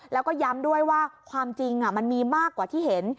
แล้วก็ย้ำด้วยว่าความจริงมันมีมากกว่าที่เห็น